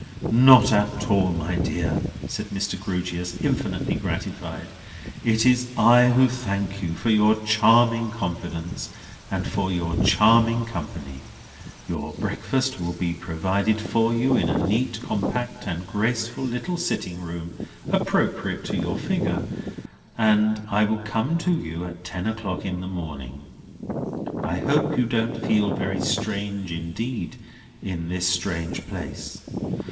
"Not at all, my dear," said Mr. Grewgious, infinitely gratified; "it is I who thank you for your charming confidence and for your charming company. Your breakfast will be provided for you in a neat, compact, and graceful little sitting room (appropriate to your figure), and I will come to you at ten o'clock in the morning. I hope you don't feel very strange indeed, in this strange place."